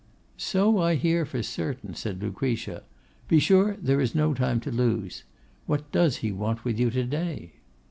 'So I hear for certain,' said Lucretia. 'Be sure there is no time to lose. What does he want with you to day?